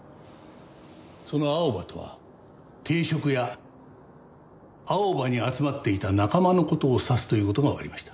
そのアオバとは定食屋青葉に集まっていた仲間の事を指すという事がわかりました。